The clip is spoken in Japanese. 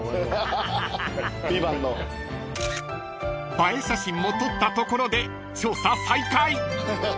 ［映え写真も撮ったところで調査再開］